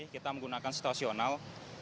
kita menggunakan stasional